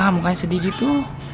makanya sedih gitu